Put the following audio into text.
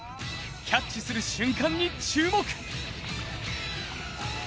キャッチする瞬間に注目。